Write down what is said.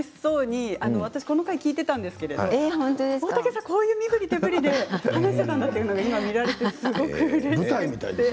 すごく楽しそうに私この回、聴いていたんですけど大竹さん、こういう身ぶり手ぶりで話していたんだというのが見られてうれしいです。